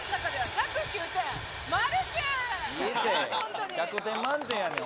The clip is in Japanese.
１００点満点やねん。